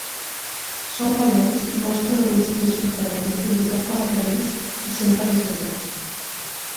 Són valents i mostren un instint sorprenent fins i tot com a cadells essent territorials.